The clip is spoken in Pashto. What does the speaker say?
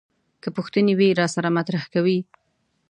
که پوښتنې وي راسره مطرح کوي.